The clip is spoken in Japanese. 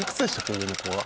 上の子は。